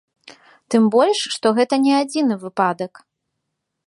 Тым больш, што гэта не адзіны выпадак.